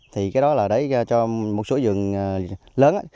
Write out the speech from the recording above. thì cái đó là để cho một số vườn lớn